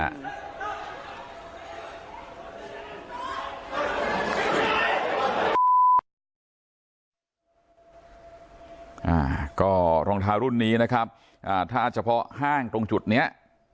อ่าก็รองเท้ารุ่นนี้นะครับอ่าถ้าเฉพาะห้างตรงจุดเนี้ย